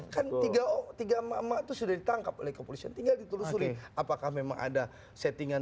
kan tiga o tiga m itu sudah ditangkap oleh kepolisian tinggal ditulusuri apakah memang ada settingan